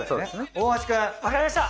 大橋くん。わかりました。